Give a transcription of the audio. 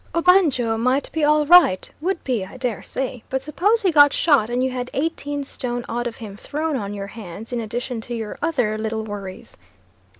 Obanjo might be all right, would be I dare say; but suppose he got shot and you had eighteen stone odd of him thrown on your hands in addition to your other little worries.